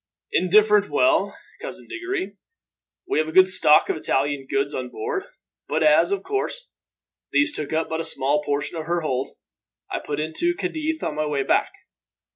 "Indifferent well, Cousin Diggory. We have a good stock of Italian goods on board; but as, of course, these took up but a small portion of her hold, I put into Cadiz on my way back.